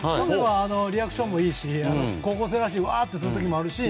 リアクションもいいし高校生らしくワーッとなる時もあるし。